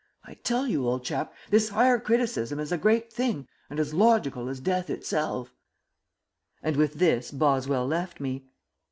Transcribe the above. I tell you, old chap, this higher criticism is a great thing, and as logical as death itself." And with this Boswell left me.